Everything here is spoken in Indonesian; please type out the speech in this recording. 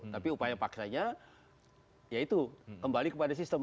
tapi upaya paksanya ya itu kembali kepada sistem